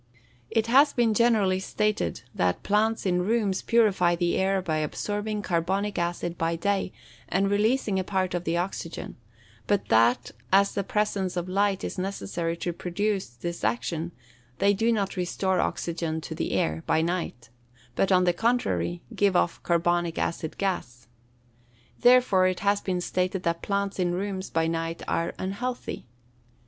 It has been generally stated that plants in rooms purify the air by absorbing carbonic acid by day, and releasing a part of the oxygen; but that, as the presence of light is necessary to produce this action, they do not restore oxygen to the air, by night, but, on the contrary, give off carbonic acid gas. Therefore it has been stated that plants in rooms by night are unhealthy.